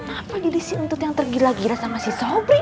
kenapa gilis si untut yang tergila gila sama si sobri